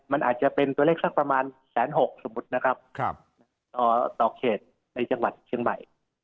มันอาจจะเป็นตัวเลขสักประมาณ๑๖๐๐สมมุตินะครับต่อเขตในจังหวัดเชียงใหม่